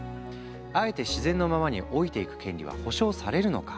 あえて自然のままに老いていく権利は保障されるのか？